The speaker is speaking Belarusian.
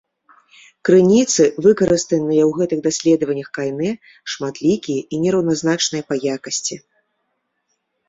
Крыніцы, выкарыстаныя ў гэтых даследаваннях кайнэ, шматлікія і нераўназначныя па якасці.